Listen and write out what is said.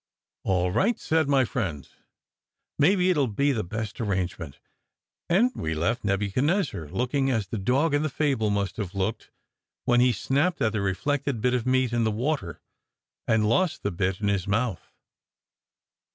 "All right," said my friend. "Maybe it will be the best arrangement." And we left Nebuchadnezzar looking as the dog in the fable must have looked, when he snapped at the reflected bit of meat in the water and lost the bit in his mouth.